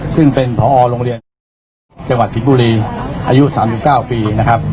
ซึ่งเป็นพอโรงเรียนจังหวัดศิษย์บุรีอายุ๓๙ปี